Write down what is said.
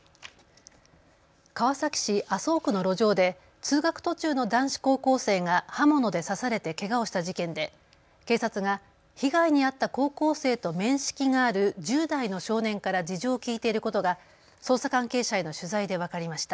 川崎市麻生区の路上で通学途中の男子高校生が刃物で刺されてけがをした事件で警察が被害に遭った高校生と面識がある１０代の少年から事情を聴いていることが捜査関係者への取材で分かりました。